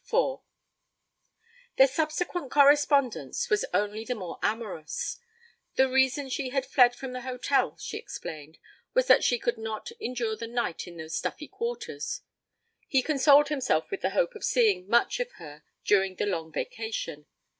IV Their subsequent correspondence was only the more amorous. The reason she had fled from the hotel, she explained, was that she could not endure the night in those stuffy quarters. He consoled himself with the hope of seeing much of her during the Long Vacation.